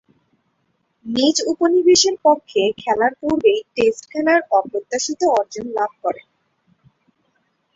নিজ উপনিবেশের পক্ষে খেলার পূর্বেই টেস্ট খেলার অপ্রত্যাশিত অর্জন লাভ করেন।